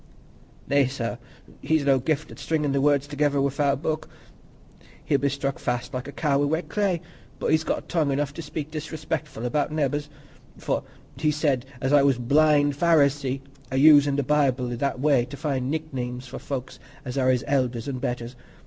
"Nay, sir, he's no gift at stringin' the words together wi'out book; he'd be stuck fast like a cow i' wet clay. But he's got tongue enough to speak disrespectful about's neebors, for he said as I was a blind Pharisee—a usin' the Bible i' that way to find nick names for folks as are his elders an' betters!